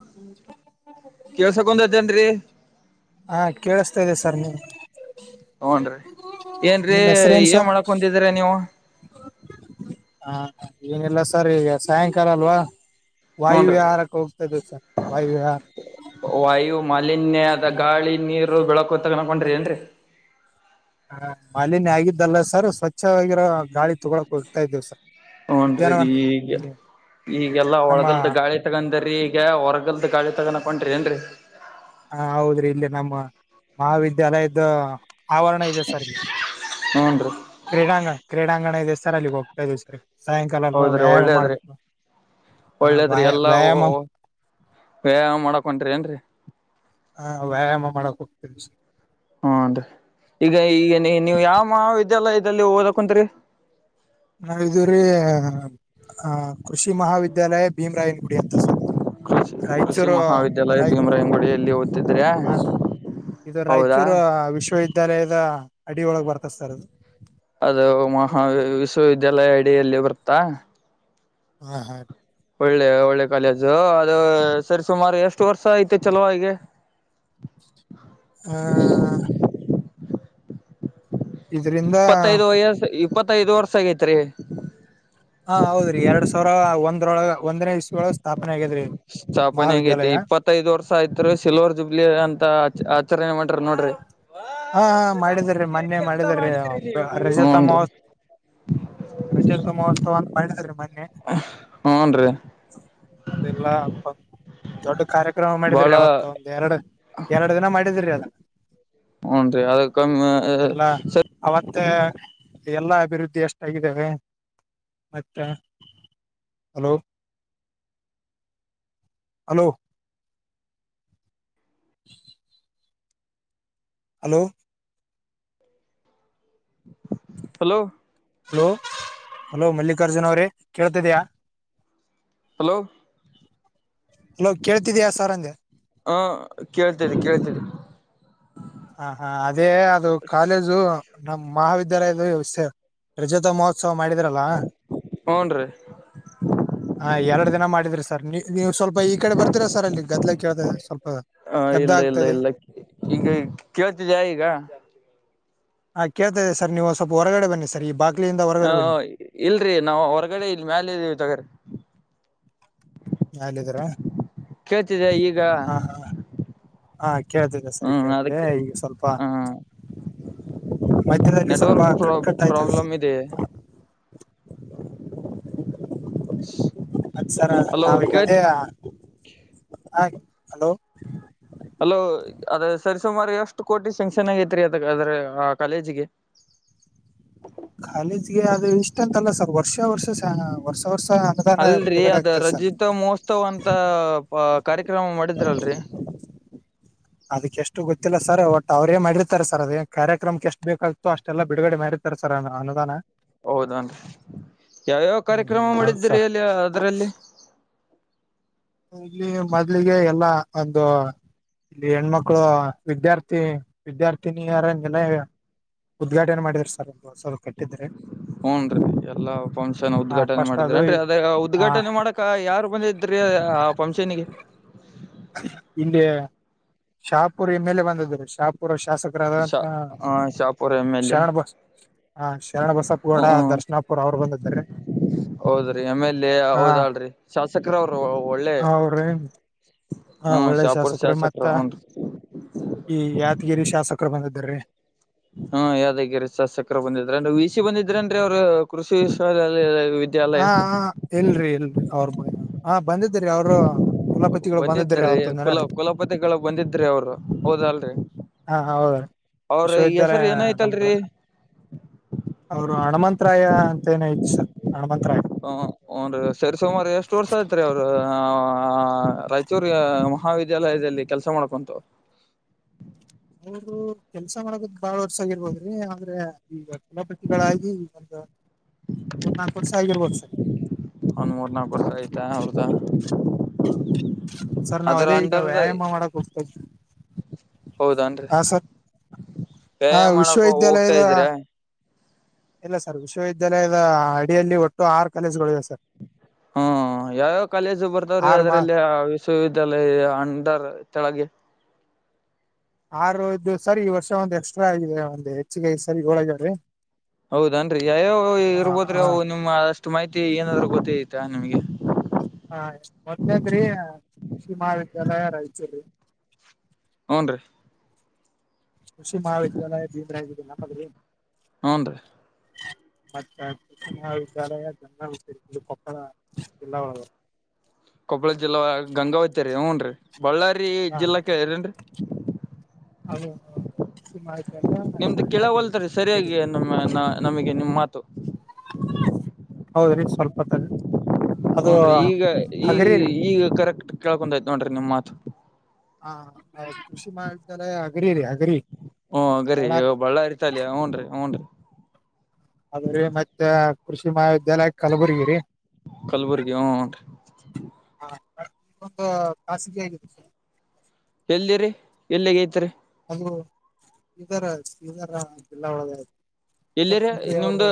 ಹ್ಹಾ ಕೇಳ್ಸಕೊಂಡತೇನ್ರಿ ಹಾಂ ಕೇಳಿಸ್ತಾ ಇದೆ ಸರ್ ನೀವು ಹ್ನ್್ರೀ ಏನ್ರೀ ನಿಮ್ ಹೆಸರೇನ್ ಏನ್ ಸರ್ ಮಾಡಕಂದಿದೀರ ನೀವು ಹಾ ಏನಿಲ್ಲ ಸರ್ ಈಗ ಸಾಯಂಕಾಲ ಅಲ್ವಾ ವಾಯು ಹೂನ್ರಿ ವಿಹಾರಕ್ಕೆ ಹೋಗ್ತದೆ ಸರ್ ವಾಯು ವಿಹಾರ ವಾಯು ಮಾಲಿನ್ಯದ ಗಾಳಿ ನೀರು ಬೆಳಕು ತಗ ಅಕೊಂಡ್ರಿ ಏನ್ರಿ ಹ ಮಾಲಿನ್ಯ ಆಗಿದ್ದಲ್ಲ ಸರ್ ಸ್ವಚ್ಛವಾಗಿರೋ ಗಾಳಿ ತಗೊಳಕ್ ಹೋಗ್ತಾ ಇದ್ದೇವಿ ಸರ್ ಹ್ನ್್ರೀ ಉದ್ಯಾನವನ ಈಗ ಇಲ್ಲಿ ಈಗೆಲ್ಲಾ ನಮ್ಮ ಒಳಗಲ್ದ ಗಾಳಿ ತಗಂದ್ರೀ ಈಗ ಹೊರಗಲ್ದ ಗಾಳಿ ತಗನಕೊಂಡನ್್ರಿ ನ್ರಿ ಹ ಹೌದ್ರಿ ಇಲ್ಲಿ ನಮ್ಮ ಮಹಾವಿದ್ಯಾಲಯದ ಆವರಣ ಇದೆ ಸರ್ ಇಲ್ಲಿ ಹೂನ್ರಿ ಕ್ರೀಡಾಂಗಣ ಕ್ರೀಡಾಂಗಣ ಇದೆ ಸರ್ ಅಲ್ಲಿಗೆ ಹೋಗ್ತಾದೆ ಸರ್ ಸಾಯಂಕಾಲ ಅಲ್ವಾ ಹೌದ್ರಿ ವ್ಯಾಯಾಮ ಒಳ್ಳೇದ್ರಿ ಮಾಡ್ಬೇಕು ಹ ವಾಯ ವ್ಯಾಯಾಮ ವೇಯ್ ಮಾಡಕೊಂಡ್ರಿ ಏನ್ರರಿ ಹ ವ್ಯಾಯಾಮ ಮಾಡಕ್ ಹೋಗ್ತೀರಿ ಸರ್ ಹ್ಮ ಅದೀ ಈಗ ಈಗ ನೀ ನೀವ್ ಯಾವ ಮಹಾವಿದ್ಯಾಲಯದಲ್ಲಿ ಓದಕತ್ರಿ ನಾವ ರೀ ಕೃಷಿ ಮಹಾವಿದ್ಯಾಲಯ ಭೀಮರಾಯನ ಗುಡಿ ಅಂತ ಸರ್ ಇದು ರಾಯಚೂರು ರಾಯ ಅಂಗಡಿಯಲ್ಲಿ ಓದತಿದ್ರೆ ಹಾ ಸರ್ ಇದು ರಾಯಚೂರ್ ವಿಶ್ವವಿದ್ಯಾಲಯದ ಅಡಿ ಒಳಗ್ ಬರ್ತದೆ ಸರ್ ಅದು ಅದು ಮಹಾ ವಿಶ್ವವಿದ್ಯಾಲಯ ಅಡಿಯಲ್ಲಿ ಬರ್ತ್ತಾ ಹಾ ಹಾ ಒಳ್ಳೆ ಒಳ್ಳೆ ಕಾಲೇಜು ಅದು ಸರಿ ಸುಮಾರು ಎಷ್ಟು ವರ್ಷ ಐತೆ ಚಲೋ ಈಗೆ ಹ್ಮ ಇದರಿಂದ ಇಪ್ಪತ್ತೈದು ವಯಸ್ ಇಪ್ಪತ್ತೈದು ವರ್ಷ ಆಗೈತ್ರಿ ಹಾ ಹೌದ್ರಿ ಎರಡ್ ಸಾವಿರ ಒಂದ್ರೊಳ ಒಂದನೇ ಇಸ್ವೊಳಗೆ ಸ್ಥಾಪನೆ ಆಗೇ್ರಿ ಮಹಾವಿದ್ಯಾಲಯ ಹತ್ತೈದ್ ವರ್ಷ ಆಯ್ತ್ರಿ ಸಿಲ್ವರ್ ಜುಬ್ಲಿ ಅಂತ ಆ ಆಚರಣೆ ಮಾಡ್ರಿ ನೋಡ್ರಿ ಹಾ ಹ ಮಾಡಿದೀ ಮೊನ್ನೆ ಮಾಡಿದೀ ರಜತ ಹೂನ್ರಿ ಮಹೋತ್ ಅಚೆ ತ ಮವಸ್ತ ಹ್ನ್ ರೀ ಅದೆಲ್ಲ ದೊಡ್ಡ ಕಾರ್ಯಕ್ರಮ ಬಾಳ ಮಾಡಿದೀರಿ ಯಾವತ್ತ ಒ ಎರಡು ಎರಡು ದಿನ ಮಾಡಿದ್ರಿ ಅದ ಹ್ನ್ ರೀ ಅದ ಕಮ್ಮಿ ಎಲ್ಲಾ ಸರಿ ಅವತ್ತೆ ಎಲ್ಲಾ ಅಭಿವೃದ್ಧಿ ಎಷ್ಟಾಗಿದ್ದೇವೆ ಮತ್ತೆ hello hello [inaudible] hello hello hello hello Mallikarjuna ಅವ್ರೇ ಕೇಳ್ತ ಇದ್ಯಾ. ಹಲೋ. ಹಲೋ ಕೇಳ್ತಿದೀಯಾ ಸರ್ ಅಂದೆ. ಹಾ ಕೇಳ್ತಾ ಇದೆ ಕೇಳ್ತಾ ಇದೆ. ಹ ಹಾ ಅದೇ ಅದು ಕಾಲೇಜು ನಮ್ಮ್ ಮಹಾವಿದ್ಯಾಲಯದ ರಜತ ಮಹೊ ಉತ್ಸವ ಮಾಡಿದ್ರಲ್ಲ. ಹೂನ್ರಿ ಹಾ ಎರಡು ದಿನ ಮಾಡಿದ್ರಿ ಸರ್ ನೀ ನೀವು ಸ್ವಲ್ಪ ಈ ಕಡೆ ಬರ್ತೀರಾ ಸರ್ ಅಲ್ಲಿ ಗದ್ಲ ಕೇಳ್ದ ಸ್ವಲ್ಪ. ಹಾ ಶಬ್ದ ಇಲ್ಲ ಇಲ್ಲ ಆಗ್ತದೆ ಇಲ್ಲ ಈಗ ಕೇಳ್ತಿದ ಈಗ ಹಾ ಕೇಳ್ತೇದೆ ಸರ್ ನೀವು ಸ್ವಲ್ಪ ಹೊರಗಡೆ ಬನ್ನಿ ಸರ್ ಈ ಬಾಗ ಹ ಇಲ್ರಿ ನಾವು ಹೊರಗಡೆ ಇಲ್ ಮ್ಯಾಲ ಇದ್ದೀವಿ ತೊಗ್ರ. ಅಲ್ಲಿದ್ದೀರಾ ಕೇಳ್ತಿದ್ದ ಈಗ. ಹ ಹಾ ಕೇಳ್ತಿದೆ ಸರಿ ಹ್ಮ್ ಕೇಳ್ತಿದೆ ಅದಕ್ ಈಗ ಸ್ವಲ್ಪ. ಹ ಮಧ್ಯದಲ್ಲಿ ಸ್ವಲ್ಪ ನೆಟ್ವರ್ಕ್ ಪ್ರ ಕಟ್ ಕಟ್ ಆಯ್ತ ಪ್ರಾಬ್ಲಮ್ ಇದೆ [inaudible] ಅತ್ ಸರ್ ಹಲೋ ನಾವೀಗ ಕೇಳ್ ಅದೇ ಆ ಹಲೋ ಅಲೋ ಅದ ಸರಿಸುಮಾರು ಎಷ್ಟು ಕೋಟಿ ಶಂಕ್ಷನ್ ಆಗೈತ್ರಿ ಅದ ಅದ್ರ ಆ ಕಾಲೇಜಿಗೆ. ಕಾಲೇಜ್ಗೆ ಅದು ಇಷ್ಟ ಅಂತಲ್ಲ ಸರ್ ವರ್ಷ ವರ್ಷ ವರ್ಷ ವರ್ಷ ಅನುದಾನ ಅಲ್ರರಿ ಬಿಡುಗಡೆ ಅದ ಆಗ್ತದೆ ಸರ್ ರಜಿತ್ ಮಹೋತ್ತವ್ ಅಂತ ಕಾರ್ಯಕ್ರಮ ಮಾಡಿದ್ರಲ್ರರಿ ಅದಕ್ಕೆ ಎಷ್ಟು ಗೊತ್ತಿಲ್ಲ ಸರ್ ಒಟ್ಟ ಅವರೇ ಮಾಡಿರ್ತಾರೆ ಸರ್ ಅದೇ ಕಾರ್ಯಕ್ರಮಕ್ಕೆ ಎಷ್ಟು ಬೇಕಾಗ್ತೋ ಅಷ್ಟೆಲ್ಲ ಬಿಡುಗಡೆ ಮಾಡಿತ ತಾರ್ ಸರ್ ಅನುದಾನ. ಹೌದನ್ರಿ ಯಾವ್ಯಾವ ಹ್ಮ್ ಕಾರ್ಯಕ್ರಮ ಹ್ಮ್ ಹೌದು ಮಾಡಿದಿರಿ ಸರ್ ಅಲ್ಲಿ ಅದರಲ್ಲಿ. ಇಲ್ಲಿ ಮೊದ್ಲಿಗೆ ಎಲ್ಲಾ ಒಂದು ಇಲ್ಲಿ ಹೆಣ್ಮಕ್ಳು ವಿದ್ಯಾರ್ಥಿ ವಿದ್ಯಾರ್ಥಿನಿಯರ ನಿಲಯ ಉದ್ಘಾಟನೆ ಮಾಡಿದ್ರ ಸರ್ ಹೊಸದ ಹ್ನ್ ರೀ ಎಲ್ಲಾ ಫಂಕ್ಷನ್ ಆ ಉದ್ಘಾಟನೆ ಫಸ್ಟ್ ಅದು ಮಾಡಿದ್ರನ್ರಿ ಅದೇ ಆ, ಉದ್ಘಾಟನೆ ಮಾಡಕ್ ಕ್ಕ ಯಾರು ಬಂದಿದ್ರಿ ಆ ಫಂಕ್ಷನ್ಗೆ. ಇಲ್ಲಿ ಶಾಹಪುರ್ ಎಮ್ ಎಲ್ ಎ ಬಂದಿದ್ರ ರಿ ಶಾಹಪುರ ಶಾಸಕ ಶಾ ರಾದಂತ ಆ Shahapur M L A Sharana ಬಾಸ್ ಹಾ ಶರಣ ಬಸಪ್ಪ ಗೌಡ ಹ್ಮ್ ದರ್ಶನಪುರ್ ಅವ್ರು ಬಂದೀದ್ರಿ. ಹೌದ್ರಿ ಎಮ್ ಎಲ್ ಎ ಹೌದಾಳ್ರಿ ಶಾಸಕರ ಅವ್ರ ಒಳ್ಳೆ. ಅವ್ರಿ ಆ ಹ್ಮ ಒಳ್ಳೆ ಶಾಪುರ್ ಮತ್ತ ಶಾಸಕರು ಹನ್ರಿ. ಈ ಯಾದಗಿರಿ ಶಾಸಕರು ಬಂದಿದ್ರ ರೀ. ಹಾ ಯಾವಾದಗಿರಿ ಶಸಕರು ಬಂದಿದ್ರ ವಿ ಸಿ ಬಂದಿದ್ರನ್ರಿ ಅವ್ರು ಕೃಷಿ ವಿಷ ಹ ಇಲ್ರರಿ ಇಲ್ರರಿ ಅವರು ಹ ಬಂದಿದ್ರರಿ ಅವರು. ಕುಲಪತಿಗಳು ಬಂದಿದ್ರಿ ಬಂದಿದ್ದ್ರೀ ಅವತ್ತೊಂದ್ ದಿನ ಕುಲ ರೀ ಕುಲಪತಿಗಳ ಬಂದಿದ್ರಿ ಅವ್ರು ಹೌದ ಅಲ್ರರಿ. ಹಾ ಹೌದ್ರಿ ಅವ್ರ ಹೆಸರು ವಿಶ್ವವಿದ್ಯಾಲಯ ಏನಐ್ತಲ್ರರಿ. ಅವರು ಹಣಮಂತ್ರಾಯ ಅಂತ ಏನ ಇತ್ ಸರ್ ಹಣಮಂತರಾಯ. ಹ ಹಾನ್ರಿ ಸರಿ ಸುಮಾರು ಎಷ್ಟು ವರ್ಷ ಆಯತ್ರಿ ಅವರು ರೈ ಚಿೂರಿ ಮಹಾವಿದ್ಯಾಲಯದಲ್ಲಿ ಕೆಲಸ ಮಾಡ್ಕೊಂತು. ಅವರು ಕೆಲ್ಸ ಮಾಡಕದ ಬಾಳ್ ವರ್ಷ ಆಗಿರ್ಬೋದ್ರಿ ಅಂದ್ರೆ ಈಗ ಕುಲಪತಿಗಳಾಗಿ ಈ ಒಂದು ಮೂರ್ನಾಲ್ಕು ವರ್ಷ ಆಗಿರ್ಬೋದು ಸರ. ಅವನ್ ಮೂರ್ ನಾಲ್ಕು ವರ್ಷ ಆಯ್ತ್ ಅವ್ರದ ಹಾ ಸರ್ ನಾವ್ ಅದ್ರ ಅದೇ ಈಗ ಅಂಡರ್ದ ವ್ಯಾಯಾಮ ಮಾಡಕ್ ಹೋಗ್ತಾ ಇದ್ವಿ. ಹೌದನ್ರಿ ಹಾ ಸರ್ ಆ ವ್ಯಾಯಮ ಮಾಡಕ ಹೋಗ್ತಾ ವಿಶ್ವವಿದ್ಯಾಲಯದ ಇದ್ರ. ಇಲ್ಲ ಸರ್ ವಿಶ್ವವಿದ್ಯಾಲಯದ ಅಡಿಯಲ್ಲಿ ಒಟ್ಟು ಆರು ಕಾಲೇಜುಗಳು ಇವೆ ಸರ್. ಹ್ಮ ಯಾವ್ಯಾವ ಕಾಲೇಜು ಬರ್ದಾವ್ರಿ ಆರು ಮಾ ಅದ್ರಲ್ಲಿ ವಿಶ್ವಿದ್ಯಾಲಯ ಅಂಡರ್ ಕೆಳಗೆ ಆರು ಇದದು ಸರಿ ಈ ವರ್ಷ ಒಂದ್ ಎಕ್ಸ್ಟ್ರಾ ಆಗಿದೆ ಒಂದ್ ಹೆಚ್ಚಿಗೆ ಸರಿ ಹೋಳಗ್ಯಾವ್ರೀ ಹೌದನ್ರಿ ಯ್ಯಾವ ಇರ್ಬೋದ್ರೆ ಹಾ ಅವು ನಿಮ್ ಅಷ್ಟು ಮಾಹಿತಿ ಏನಾದ್ೂ ಗೊತ್ತ ಐತಾ ನಿಮ್ಗೆ ಹಾ ಮೊದ್ಲೇದ್ರಿ ಶಮಾವಿದ್ಯಾಲಯ ರಾಯಚೂರಿ ಹ್ನ್ ರೀ ಕೃಷಿ ಮಹಾವಿದ್ಯಾಲಯ ಬೀಮ್ರಗಿದೆ ನಮ್ಮದ್ರಿ ಹ್ಞೂನ್ರಿ ಮತ್ತೆ ಕೃ್ಣ ಮಹಾವಿದ್ಯಾಲಯ ಜನಂದು ಕೊಪ್ಪಳ ಜಿಲ್ಲ ಕೊಪ್ಪಳ ಜಿಲ್ಲಾ ಗಂಗಾವತಿ ರೀ ಹ್ಞನ್ ರೀ ಬಳ್ಳಾರಿ ಹಾ ಜಿಲ್ಲಾಕ್ಕೆರೇನ್ರಿ ಹೌ ಸು ನಿಮ್ದು ಕೆಳಗ್ ಹೊಲ್ತರಿೀ ಸರಿಯಾಗಿ ನಮ್ಮ ನಮಗೆ ನಿಮ್ ಮಾತು ಹೌದ್ರಿ ಸ್ವಲ್ಪ ತರ ನೋನ್್ರಿ ಈಗ ಈ ರೀ ಈಗ ಕರೆಕ್ಟ್ ಕೇಕೊ ಆಯ್ತ ನೋಡ್ರಿ ನಿಮ್ ಮಾತು ಹಾ ಕೃಷಿ ಮಹಾವಿದ್ಯಾಲಯ ಅಗರಿರಿ ಅಗರಿ ಹ್ಮ್ಗರಿೀ ಬಳ್ಳಾರಿ ಬಳ್ಳ ಇರಿತಲ್ಯ ್ನ್ರಿ ಹ್ನ್ ರರಿ ಅದ್ರೀ ಮತ್ತೆ ಕೃಷಿ ಮಹಾವಿದ್ಯಾಲಯ ಕಲಬುರ್ಗಿ ರೀ ಕಲ್ಬುಗಿ ಹ್ಞಂಟು ಹ ಕಾಸಿಿಗೆ ಎಲ್ದಿರಿ ಎಲ್ಲಿಗೆ ಐತ್ರಿ ಅದು ಈರ ಈರ ಜಲ್ಲಾ ಒದಯ್ತು ಎಲ್ಲಿರೆ ನಿಮ್ದು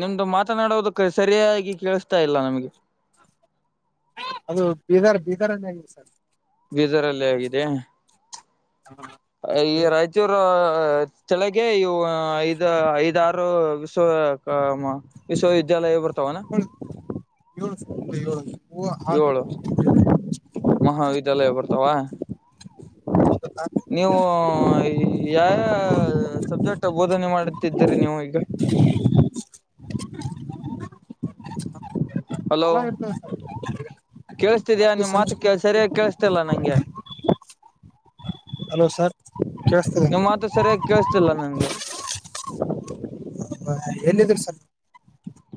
ನಿಮ್ದು ಮಾತನಾಡೋದಕ್ಕೆ ಸರಿಯಾಗಿ ಕೇಳಿಸತಾ ಇಲ್ಲ ನಮ್ಗೆ ಅದು ಬೀದರ್ ಬೀದರ್ನೇ ಆಗಿದೆ ಸರ್ ಬೀಜರ್ಲ್ಲಿೇ ಆಗಿದೆ ಹ ಈ ರತ ೂರು ಚಳಗೆ ಇವು ಐದ್ ಐದಾರು ವಿ್ ವಿಶ್ವವಿದ್ಯಾಲಯ ಬರ್ತಾವನಾ ಳ ಏಳು ಇವು ಆರು ಏಳು ಮಹಾವಿದ್ಯಾಲಯ ಬರ್ತಾವ ಹ್ಹಾ ನೀವು ಯ ಸಬ್ಜೆಕ್ಟ್ ಬೋಧನೆ ಮಾಡುತ್ತಿದ್ದೀರಿ ನೀವು ಈಗ ಹ್ ಹತ್ತು ಕೇಳಿಸ್ತಿದಯಾ ನಿನ್್ ಮಾತಕ್ಕೆ ಸರಿಯಾಗಿ ಕೇಿಸ್ತಲ್ಲಾ ನಂಗೆ ಹಲೋ ಸರ್ ಕೇಳಿಸ್ತದೆ ನೀವು್ ಮಾತ ಸರಿಯಾಗಿ ಕೇಿಸ್ತಿಲ್ಲ ನಂಗೆ ಹ ಎನಿದ್ರರು ಸರ್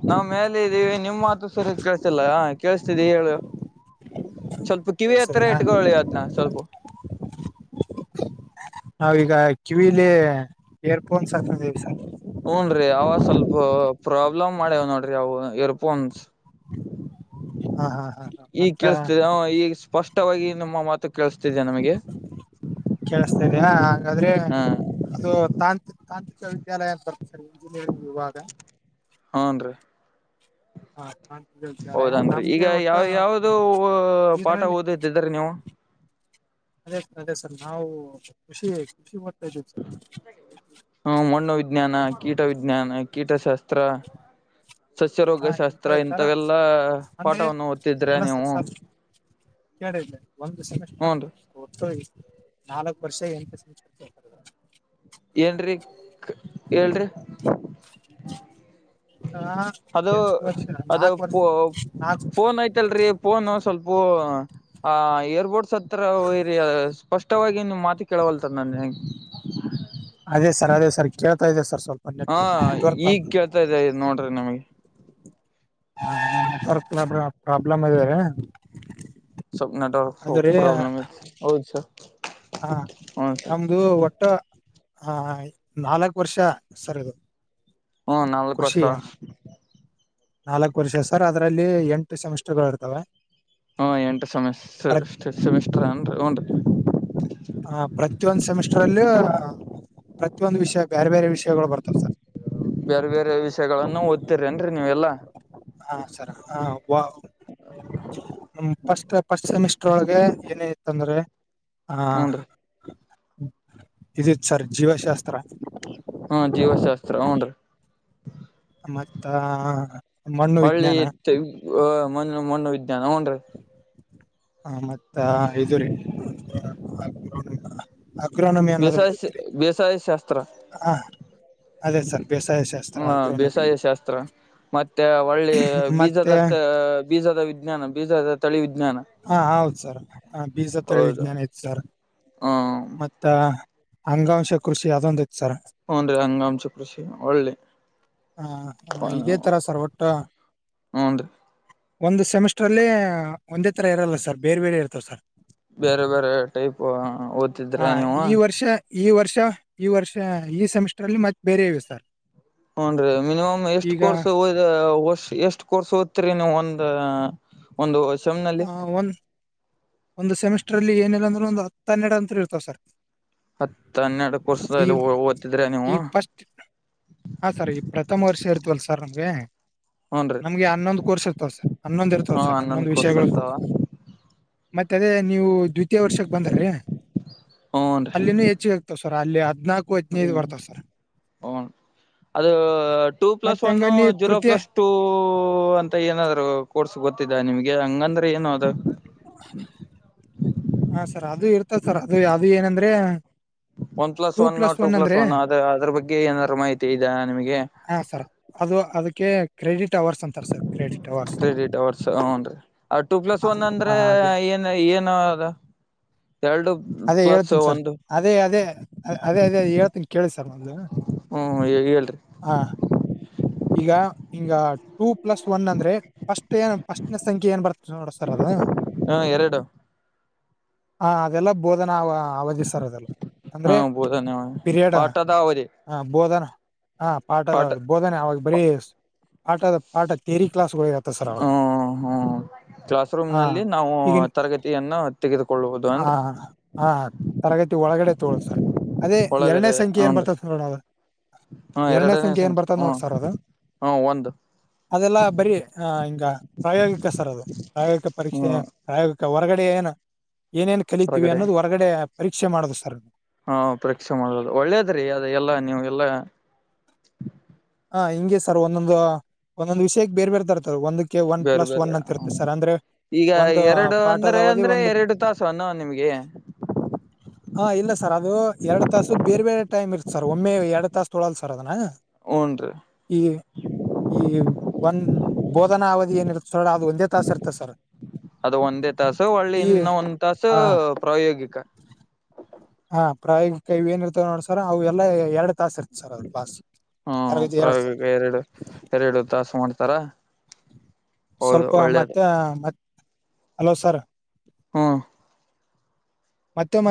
ನಾವ್ ಮೇಲೆ ಇದೀವಿ ನಿಮ್ ಮಾತು ಸರಿ ಕೇಳ್ಸಲ್ಲ ಕೇಳಸ್ತಿದಿ ಹೇಳು ಸ್ವಲ್ಪ ಕಿವಿ ಹತ್ರ ಕೇಳಿಸ್ತದೆಯಾ ಇಟ್ಕೊಳ್ಳಿ ಅದ್ನ್ನ ಸ್ವಲ್ಪ ನಾವೀಗ ಕಿವಿಲಿ ಏರ್ಫೋನ್ಸ್ ಹಾಕಂದೀವಿ ಸರ್ ಹೂನ್ೀ ಅವಾಗ ಸ್ವಲ್ಪ ಪ್ರಾಬ್ಲಮ್ ಮಾಡ್ಯವ್ ನೋಡ್ರಿ ಅವವು ಇರ್ಪೋನ್ಸ್ ಹಾ ಹಾ ಹಾ ಹಾ ಈಗ ಮತ್ತ ಕೇಳಿಸತ ಈಗ ಸ್ಪಷ್ಟವಾಗಿ ನಮ್ಮ ಮತ ಕಳ್ಸ್ತಾ ಇದ ಇದಯ ಹಾಗಂಗಾದ್ರೆ ಹಾ ಅದು ತಾಂತ್ರಿ ತಾಂತ್ರಿಕ ವಿದ್ಯಾಲಯ ಅಂತ ಬರ್ತ ಸರ್ ಇಂಜಿನಿಯರಿಂಗ್ ವಿಭಾಗ ಹಾನ್ೀ ಹಾ. ತಾಂತ್ರಿಕ ವಿದ್ಯಾಲಯ ಹೌದನ್ರಿ ಈಗ ನಮ್ಗೆ ಒಟ್ಟ ಯಾವ ಯಾವ್ದ ಪಾಠ ಇದ್ರಲ್ಲಿ ಓದಿದ್ದಿದ್ರಿ ನೀವು. ಅದೇ ಸರ್ ಅದೇ ಸರ್ ನಾವು ಖುಷಿ ಖುಷಿ ಮಾಡ್ತಾ ಇದ್ದೀವಿ ಸರ್. ಹ್ಮ ಮಣ್ಣು ವಿಜ್ಞಾನ ಕೀಟ ವಿಜ್ಞಾನ ಕೀಟಶಾಸ್ತ್ರ. ಸಸ್ಯ ರೋಗ ಹಾ ಇಂತ ಶಾಸ್ತ್ರ ತರ ಇಂಥವೆಲ್ಲಾ ಅಂದ್ರೆ ಪಾಠವನ್ನು ಓದ್ತಿದ್ರೆ ನೀವು. ಕೇಳಿದ್ದ ಒಂದು ಸೆಮಿಸಸ್ರ್ ಹೂನ್ರಿ ಅ ಒತಯ ನಾಲ್ಕಕ್ ವರ್ಷ ಎಂಟು ಸೆರ್. ಏನ್ರಿ ಹೇಳರಿ. ಹಾ. ಅದು ಅದು ಪೋ ನಾಲ್ಕು ಫೋನ್ ಐ್ತಲ್ರಿ ಫೋನು ಸ್ವಲ್ಪೂ. ಹ ಏರ್ಪೋರ್ಟ್ಸ್ ಹತ್ರರಿ ಸ್ಪಷ್ಟವಾಗಿ ಮಾತು ಕೇಳವಲ್ತರ್ ನಾನ ಹೆಗೆ. ಅದೇ ಸರ್ ಅದೇ ಸರ್ ಕೇಳ್ತಾ ಇದೆ ಸರ್ ಸ್ವಲ್ಪ. ಹಾ ನೆಟ್ವರ್ಕ್ ಈಗ್ ಕೇಳ್ತಾ ಇದ ನೋಡ್ರಿ ನಮಗೆ. ಹ ನೆಟ್ವರ್ಕ್ ಪ್ರಾಬ್ಲಮ್ ಇದೆ. ಸಬ್ ನೆಟವರ್ಕ್ ಅದು ರೀ ಪ್ರಬ್ಲ್ ಇ ಹೌದು ಸರ್. ಹ ಹ್ಞ ಸರ್ ನಮ್ದು ಒಟ್ಟು ಹ ನಾಲ್ಕ ವರ್ಷ ಸರ್ ಇದು. ಹ್ಮ ನಾಲ್ಕ್ ವರ್ಷ. ನಾಲ್ಕ ವರ್ಷ ಸರ್ ಅದರಲ್ಲಿ ಎಂಟು ಸೆಮಿಸ್ಟರ್ ಗಳು ಇರ್ತವೆ. ಹಾ ಎಂಟು ಸೆಮ ಪ್ರ ಸೆಮಿಸ್ಟರ್ ಅನ್ರಿ ಹನ್ರಿ. ಹ ಪ್ರತಿಯೊಂದು ಸೆಮಿಸ್ಟರ್ ಅಲ್ಲಿ ಪ್ರತಿಯೊಂದು ವಿಷಯ ಬೇರೆ ಬೇರೆ ವಿಷಯ. ಬೇರೆ ಬೇರೆ ವಿಷಯಗಳಗಳನ್ನು ಓದ್ತಿರ ನ್ರರಿ ನೀವೆಲ್ಲಾ. ಹಾ ಸರ ಹ ವ. ನಮ್ಮ ಫಸ್ಟ್ ಫಸ್ಟ್ ಸೆಮಿಸ್ಟರ್ ಒಳಗೆ ಏನ ಇತ್ತ ಅಂದ್ರೆ. ಹ ಹೂನ್ರಿ ಇದಿತ್ ಸರ್ ಜೀವಶಾಸ್ತ್ರ. ಹ್ಮ ಜೀವಶಾಸ್ತ್ರ ಹ್ಞೂ ರೀ. ಮತ್ತ ಮಣ್ಣು ವಿಜ್ಞಾನ. ಮ ಮಣ್ಣು ಮಣ್ಣು ವಿಜ್ಞಾನ ಹ್ಮ್ ರೀ. ಹ ಮತ್ತ ಇದು ರೀ ಅಕ್ರನಮಿ. ಬೆಸಾಯ ಬಸಾಯ ಶಸ್ತ್ರ. ಹಾ ಅದೇ ಸರ್ ಬೇಸಾಯ ಸರ್. ಹ್ಮ ಬೇಸಾಯ ಶಾಸ್ತ್ರ ಮತ್ತೆ ಒಳ್ಳೆ ಮತ್ತೆ ಬೀಜದತ್ತ. ಬೀಜದ ವಿಜ್ಞಾನ ಬೀಜದ ತಳಿ ವಿಜ್ಞಾನ. ಹಾ ಹೌದ್ ಸರ್ ಹ ಬೀಜ ತಳಿ ವಿಜ್ಞಾನ ಐತ್ ಸರ್. ಹಾ. ಮತ್ತ ಅಂಗಾಂಶ ಕೃಷಿ ಅದೊಂದ ಇತ್ ಸರ್. ಹನ್ ರೀ ಹಂಗಾಮಚ ಕೃಷಿ ಒಳ್ಳಲಿ. ಆ, ಆ, ಇದೇ ತರ ಸರ್ ಒಟ್ಟ ಹ್ಮ್ ರೀ. ಒಂದು ಸೆಮಿಸ್ಟ್ರಲ್ಲ ಒಂದೇ ಥರ ಇರಲ್ಲ ಸರ್ ಬೇರೆ ಬೇರೆ ಇರ್ತವೆ ಸರ್. ಬೇರೆ ಬೇರೆ ಟೈಪ್ ಓ. ಹ ಈ ವರ್ಷ ಈ ವರ್ಷ ಈ ವರ್ಷ ಈ ಸೆಮಿಸ್ಟರ್ ಅಲ್ಲಿ ಮತ್ತೆ ಬೇರೆ ಇವೆ ಸರ್. ಹ್ಮ್ ರೀ ಮಿನಿಮಮ್ ಎಷ್ಟ್ ಈಗ ಕೋರ್ಸ್ ಓದಿ ಎಷ್ಟ್ ಕೋರ್ಸ್ ಓದ್ತರಿ ನೀವು ಒಂದ. ಒಂದು ಸೆಮ್ ನಲ್ಲಿ ಆ ಒಂದ್ ಒಂದು ಸೆಮಿಸ್ಟರ್ಲ್ಲಿ ಏನಿಲ್ಲ ಅಂದ್ರರು ಒಂದು ಹತ್ತ ಹನ್ನೆಡು ಅಂತ ಇರ್ತಾವ ಸರ್. ಹತ್ ಹನ್ನೆರಡಕ್ ವರ್ಷ ಈ ಓದ್ತಿದ್ರ ನೀವು. ಈ ಫಸ್ಟ್ ಹಾ ಸರ್ ಈ ಪ್ರಥಮ ವರ್ಷ ಇರ್ತವಲ್ ಸರ್ ನಮ್ಗೆ. ಹೂನ್ ರೀ ನಮ್ಗೆ ಹನ್ನೊಂದು ಕೋರ್ಸ್ ಇರ್ತಾವ ಸರ್ ಹನ್ನೊಂದ್ ಇರ್ತಾವ ಹಾ ಸರ್ ಹನ್ನೊಂದ್ ಹನ್ನೊಂದು ಕೋರ್ಸ್ ವಿಷಯಗಳು ಇರ್ತಾವ ಸರ್. ಮತ್ತ ಅದೇ ನೀವು ದ್ವಿತೀಯ ವರ್ಷಕ್ ಬಂದ್ರೀ ಹೂನ್ ಅಲ್ಲಿನ ಹೆಚ್ಚಿಗೆ. [unintelligible] ಸರ್ ಅಲ್ಲಿ ಹದ್ನಾಕ್ ಹ ಅದು ಟೂ ಪ್ಲಸ್ ಮತ್ ಒನ್ ಹೆಂಗ ನೀ ಜೀರೋ ತೃತೀಯ ಪ್ಲಸ್ ಟೂ ಅಂತ ಏನಾದ್ರು ಕೋರ್ಸ್ ಗೊತ್ತಿದ್ದ ನಿಮ್ಗೆ ಹಂಗಂದ್ರೆ ಏನ ಅದು? ಹಾ ಸರ್ ಅದು ಇರ್ತದೆ ಸರ್ ಅದು [unintelligible] ಏನಂದ್ರೆ? One plus one two plus one ಅದ ಅದ್ರ ಬಗ್ಗೆ ಏನಾದಾರ ಮಾಹಿತಿ ಇದೆಯಾ ನಿಮಗೆ? ಹಾ ಸರ್ ಅದು ಅದಕ್ಕೆ ಕ್ರೆಡಿಟ್ ಅವರ್ಸ್ ಅಂತಾರೆ sir credit hours credit hours ಹಾನ್ರಿ ಆ ಟೂ ಪ್ಲಸ್ ಹ ಒನ್ ಅಂದ್ರೆ ಹ ಅದೇ ಏ [unintelligible] ಏನ ಅದ ಎರಡು ಅದೇ ಪ್ಲಸ್ ಹೇಳ್ತೀನಿ ಸರ್ ಒಂದು ಅದೇ ಅದೇ ಅದೇ ಅದೇ ಹೇಳ್ತೀನಿ? ಕೇಳಿ ಸರ್ ಮೊದಲು ಹ್ಮ್ ಹೇಳ್ರಿ ಹಾ ಈಗ ಹಿಂಗ ಟೂ ಪ್ಲಸ್ ಒನ್ ಅಂದ್ರೆ? ಫಸ್ಟ ಏನ್ ಫಸ್ಟ್ನ ಸಂಖ್ಯೆ ಏನ್ ಬರ್ತ ನೋಡಸರ್ ಅದು? ಹ ಎರಡು ಹ ಅದೆಲ್ಲ ಬೋಧನಾ ಅವ ಅವಧಿ ಸರ್ ಅದೆಲ್ಲ ಹಾ ಅಂದ್ರೆ ಬೋಧನೆ ಪಿರಿಯಡ. ಪಾಠದ ಅವಧಿ ಹಾ ಬೋಧನಾ ಹಾ ಪಾಠದ ಪಾಠ ಬೋಧನೆ ಅವಾಗ ಬರೀ ಪಾಠದ [unintelligible] ಥಿಯರಿ [unintelligible] ಸರ್ ಅವಾಗ ಹ್ಮ್ ಹ್ಮ್ ಕ್ಲಾಸ್ ರೂಮ್ ಆ ನಲ್ಲಿ ನಾವು ತರಗತಿಯನ್ನ ತೆಗೆದುಕೊಳ್ಳಬಹುದು ಹಾ ಅಂತ್ ಹಾ ತರಗತಿ ಒಳಗಡೆ ತೊಗೊಳೋದ್ ಸರ್. ಅದೇ ಎರಡ್ನೆ ಒಳಗದೆ ಸಂಖ್ಯೆ ಏನ್ ಹನ್ರಿ ಬರ್ತದ್ ನೋಡನ ಎರಡನೇ ಸಂಖ್ಯೆ ಏನ್ ಬರ್ ಹ್ಮ ಹ ಒ ಅದೆಲ್ಲಾ ಬರೀ ಆ ಹಿಂಗ ಪ್ರಾಯೋಗಿಕ ಸರ್ ಅದು ಪ್ರಾಯೋಗಿಕ ಹ್ಮ ಪರೀಕ್ಷೆ ಪ್ರಾಯೋಗಿಕ ಹೊರಗಡೆ ಏನು ಏನೇನ್ ಕಲಿತೀವಿ ಹೊರಗಡೆ ಅನ್ನೋದು ಹೊರಗಡೆ ಪರೀಕ್ಷೆ ಮಾಡೋದು ಸರ್. ಹಾ ಪರೀಕ್ಷೆ ಮಾಡೋದು ಒಳ್ಳೇದ್ರೀ ಅದು ಎಲ್ಲ ನಿಮಗೆಲ್ಲ. ಹ ಹಿಂಗೆ ಸರ್ ಒಂದೊಂದು ಒಂದೊಂದು ವಿಷಯಕ್ಕೆ ಬೇರ್ ಬೇರ್ ತರತಾರೆ ಒಂದ್ ಕ್ಕೆ ಒನ್ ಬೇರೆ ಪ್ಲಸ್ ಬೇರೆ ಒನ್ ಅಂತಿರುತ್ತೆ ಸರ್ ಅಂದ್ರೆ? ಈಗ ಒಂದು ಎರಡು ಪಾಠದ ಅಂದ್ರೆ ಅವಧಿ ಅಂದ್ರೆ ಒಂದು ಎರಡು ತಾಸ [unintelligible] ನಿಮ್ಗೆ? [inaudible] ಹಾ ಇಲ್ಲ ಸರ್ ಅದು ಎರಡ್ ತಾಸು ಬೇರೆ ಬೇರೆ ಟೈಮ್ ಇರುತ್ ಸರ್ ಒಮ್ಮೆ ಎರಡ್ ತಾಸ ತೊಳಲ್ ಸರ್ ಅದನ್ನ ಹೂನ್ರಿ ಈ ಈ ಒಂದ್ ಬೋಧನಾ ಅವಧಿ ಏನಿರ್ತ್ [unintelligible] ಅದು ಒಂದೇ ತಾಸ ಇರ್ತದ್ ಸರ. ಅದು ಒಂದೇ ತಾಸು ಒಳ್ಳಿ ಇನ್ನ ಒಂದ್ ತಾಸ ಆ ಪ್ರಾಯೋಗಿಕ. ಹಾ ಪ್ರಾಯೋಗಿಕ ಏನಿರ್ತಾವ ನೋಡ್ ಸರ್ ಅವ ಎಲ್ಲಾ ಎರಡ್ ತಾಸ್ ಇರ್ತತಿ ಸರ್ ಅದ [unintelligible] ಹ್ಮ ಪ್ರಾಯೋಗಿಕ ಎರಡು ಎರಡು ತಾಸು ಮಾಡ್ತಾರ? ಹೌದು ಸ್ವಲ್ಪ ಒಳ್ಳೇದು ಮತ್ತೆ ಮತ್ ಹಲೋ ಸರ್? ಹ್ಮ ಮತ್ತೆಮ